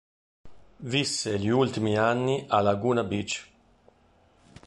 Visse gli ultimi anni a Laguna Beach.